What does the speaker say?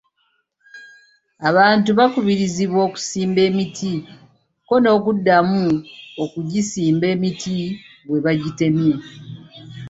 Abantu bakubirizibwa okusimba emiti kko n'akuddamu okugisimba emiti we bagitemye.